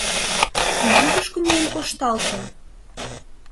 Кунам тушко миен кошталтын?